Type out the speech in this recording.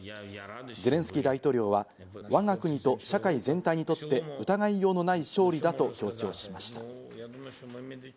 ゼレンスキー大統領は、我が国と社会全体にとって疑いようのない勝利だと強調しました。